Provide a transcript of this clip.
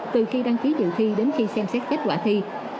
từ khi đăng ký dự thi đến khi xem xét kết quả thi